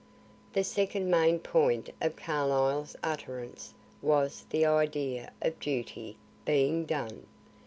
The second main point of Carlyle's utterance was the idea of duty being done.